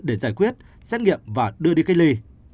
để giải quyết xét nghiệm và đưa đi cách ly